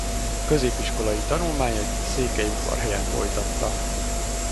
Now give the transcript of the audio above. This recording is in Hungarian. Középiskolai tanulmányait Székelyudvarhelyen folytatta.